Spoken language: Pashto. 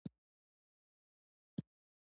ایا ستاسو مجلس له انوارو ډک نه دی؟